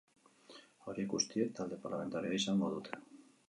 Horiek guztiek talde parlamentarioa izango dute.